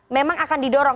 memang akan didorong